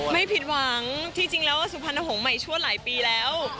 ไม่ผิดหวังที่จริงแล้วสุพรรณหงษ์ใหม่ชั่วหลายปีแล้ว